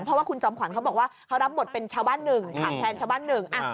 เพราะว่าคุณจอมขวัญเขาบอกว่าเขารับบทเป็นชาวบ้านหนึ่งถามแทนชาวบ้านหนึ่ง